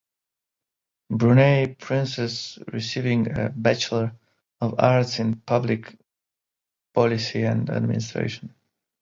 Brunei Princess receiving a Bachelor of Arts in Public Policy and Administration.